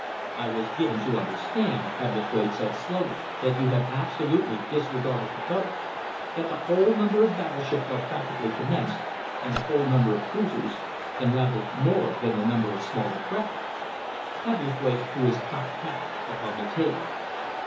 "I am given to understand," Hebblethwaite said slowly, "that you have absolutely disregarded the vote that the whole number of battleships are practically commenced, and the whole number of cruisers, and rather more than the number of smaller craft." Wyatt threw his cocked hat upon the table.